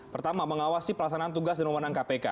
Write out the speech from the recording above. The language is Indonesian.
pertama mengawasi perlasanan tugas dan pemerintahan kpk